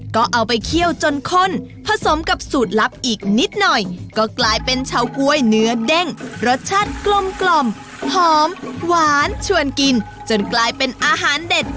ก็เอาไปเคี่ยวจนข้นผสมกับสูตรลับอีกนิดหน่อยก็กลายเป็นชาวกล้วยเนื้อเด้งรสชาติกลมกล่อมหอมหวานชวนกินจนกลายเป็นอาหารเด็ด